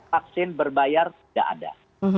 vaksin berbayar tidak ada